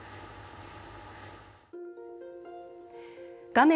画面